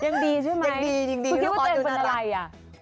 อ๋อยังดีใช่ไหมคุณคิดว่าเจนเป็นอะไรอ่ะยังดียังดียังดี